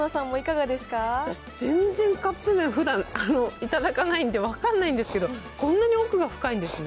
私、全然カップ麺、ふだん頂かないんで分かんないんですけど、こんなに奥が深いんですね。